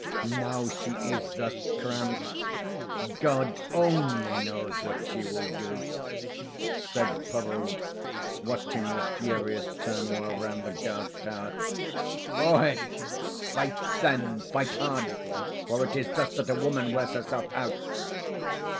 Now she is thus cramped God only knows what she will do!" said Peroo, watching the furious turmoil round the guard tower. "Ohe'! Fight, then! Fight hard, for it is thus that a woman wears herself out."